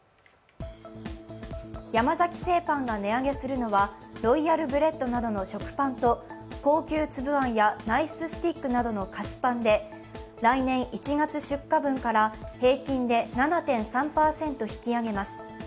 山崎製パンが値上げするのはロイヤルブレッドなどの食パンと高級つぶあんやナイススティックなどの菓子パンで来年１月出荷分から平均で７．３％引き上げます。